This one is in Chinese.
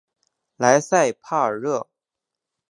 莱塞帕尔热。